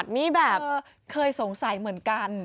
ฮือเคยสงสัยเหมือนกัน